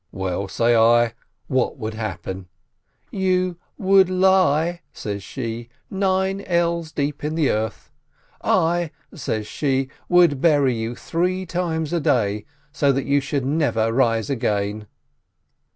"— "Well," say I, "what would happen ?"— "You would lie," says she, "nine ells deep in the earth. I," says she, "would bury you three times a day, so that you should never rise again!"